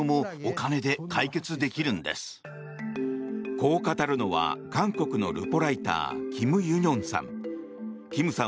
こう語るのは韓国のルポライターキム・ユニョンさん。